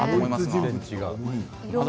全然、違う。